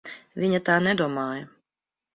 Viņa tā nedomāja.